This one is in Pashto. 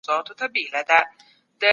ملتونه د کډوالو په قانون کي څه بدلوي؟